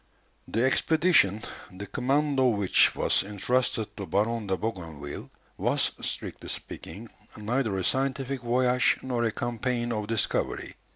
The expedition, the command of which was entrusted to Baron de Bougainville, was, strictly speaking, neither a scientific voyage nor a campaign of discovery.